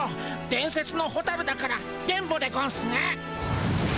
伝説のホタルだから伝ボでゴンスね。